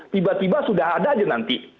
tiba tiba sudah ada aja nanti